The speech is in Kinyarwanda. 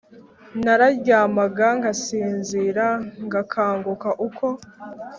nararyamaga ngasinzira ngakanguka uko